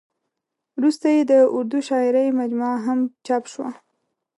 ورسته یې د اردو شاعرۍ مجموعه هم چاپ شوه.